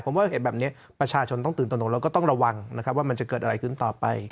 ผมว่าเห็นแบบนี้ประชาชนต้องตื่นตนกแล้วก็ต้องระวังนะครับว่ามันจะเกิดอะไรขึ้นต่อไป